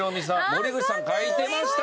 森口さん書いてましたよ。